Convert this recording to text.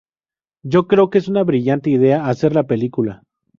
Yo creo, que es una brillante idea hacer la película.